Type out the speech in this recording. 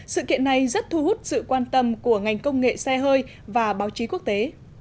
sự kiện này rất thu hút sự quan tâm của ngành công nghệ xe hơi và báo chí quốc tế